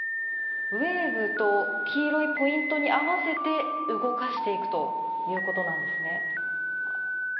ウエーブと黄色いポイントに合わせて動かしていくということなんですね。